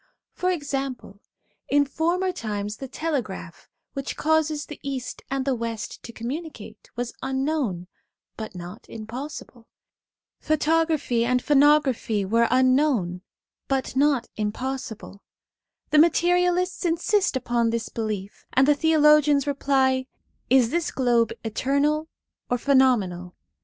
For example, in former times the telegraph, which causes the East and the West to communicate, was unknown, but not impossible ; photography and phonography were unknown but not impossible/ The materialists insist upon this belief, and the theologians reply: 'Is this globe eternal or phenomenal?